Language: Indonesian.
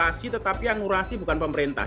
yang ngurasi tetapi yang ngurasi bukan pemerintah